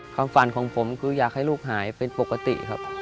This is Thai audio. ความฝันของผมคืออยากให้ลูกหายเป็นปกติครับ